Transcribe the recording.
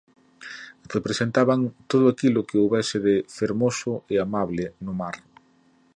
Representaban todo aquilo que houbese de fermoso e amable no mar.